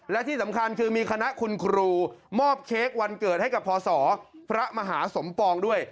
และที่สำคัญคือมีคณะคุณครูมอบเค้กวันเกิดให้กับพศพระมหาสมปองด้วย